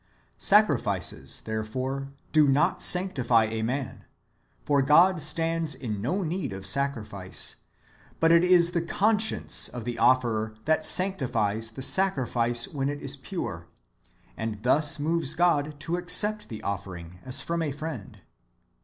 Sacrifices, there fore, do not sanctify a man, for God stands in no need of sacrifice ; but it is the conscience of the offerer that sanctifies the sacrifice when it is pure, and thus moves God to accept [the offering] as from a friend.